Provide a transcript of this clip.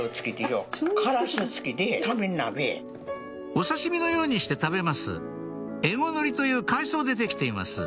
お刺し身のようにして食べますエゴノリという海藻でできています